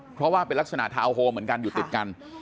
เพราะว่าเป็นลักษณะทาวน์โฮมเหมือนกันอยู่ติดกัน